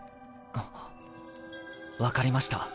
あっ分かりました。